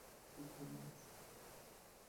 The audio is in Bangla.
কী প্ল্যান বানিয়েছো?